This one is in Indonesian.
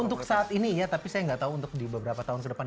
untuk saat ini ya tapi saya nggak tahu untuk di beberapa tahun ke depan